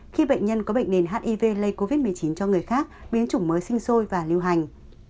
khi bệnh nhân có bệnh nền hiv lây covid một mươi chín cho người khác biến chủng mới sinh sôi và lưu hành